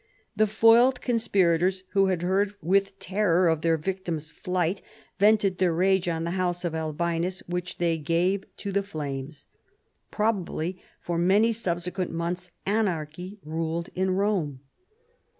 The foiled conspirators, who had heard with terror of their victim's flight, vented their rage on the house of Albinus, which they gave to the flames. Prob ably for many subsequent months anarchy ruled in Rome.